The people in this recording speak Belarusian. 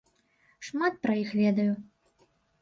Шмат пра іх ведаю.